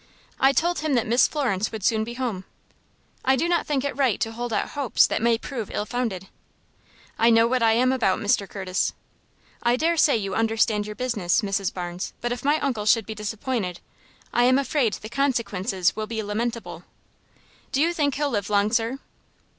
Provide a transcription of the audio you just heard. "I told him that Miss Florence would soon be home." "I do not think it right to hold out hopes that may prove ill founded." "I know what I am about, Mr. Curtis." "I dare say you understand your business, Mrs. Barnes, but if my uncle should be disappointed, I am afraid the consequences will be lamentable." "Do you think he'll live long, sir?"